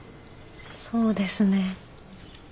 そうですね。